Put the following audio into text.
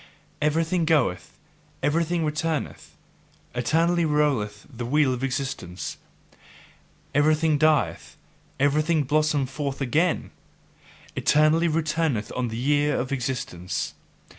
Everything goeth, everything returneth; eternally rolleth the wheel of existence. Everything dieth, everything blossometh forth again; eternally runneth on the year of existence.